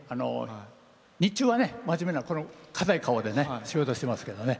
日中は真面目な堅い顔で仕事してますけどね。